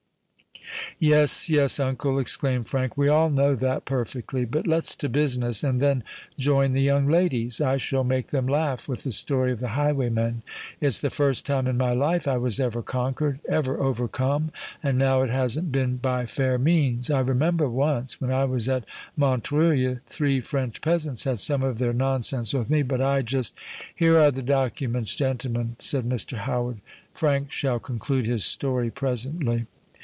"Yes—yes, uncle," exclaimed Frank: "we all know that perfectly. But let's to business, and then join the young ladies. I shall make them laugh with the story of the highwayman. It's the first time in my life I was ever conquered—ever overcome: and now it hasn't been by fair means. I remember once, when I was at Montreuil, three French peasants had some of their nonsense with me; but I just——" "Here are the documents, gentlemen," said Mr. Howard. "Frank shall conclude his story presently."